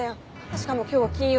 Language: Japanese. しかも今日は金曜。